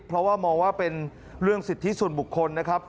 เพราะว่ามองว่าเป็นเรื่องสิทธิส่วนบุคคลนะครับ